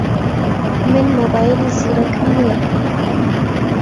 من مۆبایلی زیرەکم نییە.